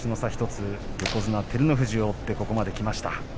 １つ横綱照ノ富士を追ってここまできました。